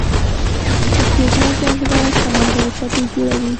د سپوږمۍ جاذبه سمندري څپې جوړوي.